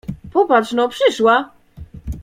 Popatrz no… przyszła!